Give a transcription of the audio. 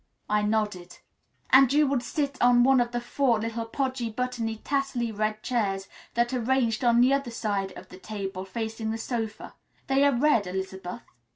I nodded. "And you would sit on one of the four little podgy, buttony, tasselly red chairs that are ranged on the other side of the table facing the sofa. They are red, Elizabeth?"